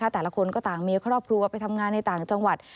แต่ละคนก็ต่างมีครอบครัวไปทำงานในต่างจังหวัด